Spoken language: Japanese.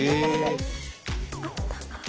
あったかい！